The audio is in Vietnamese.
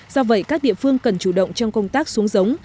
do vậy các địa phương cần chủ động trong công tác xuống giống